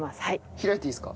開いていいですか？